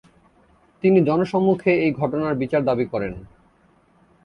তিনি জনসম্মুখে এই ঘটনার বিচার দাবি করেন।